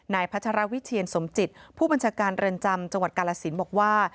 พัชรวิเชียนสมจิตผู้บัญชาการเรือนจำจังหวัดกาลสินบอกว่า